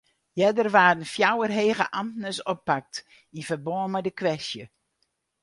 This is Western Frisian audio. Earder waarden fjouwer hege amtners oppakt yn ferbân mei de kwestje.